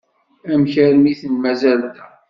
Amek armi iten-mazal da?